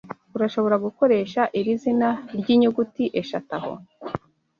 urashobora gukoresha iri zina ryinyuguti eshatu aho